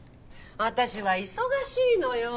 私は忙しいのよ。